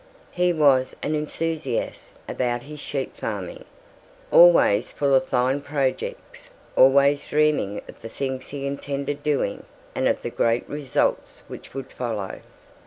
He was an enthusiast about his sheep farming, always full of fine projects, always dreaming of the things he intended doing and of the great results which would follow.